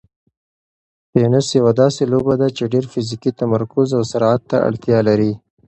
تېنس یوه داسې لوبه ده چې ډېر فزیکي تمرکز او سرعت ته اړتیا لري.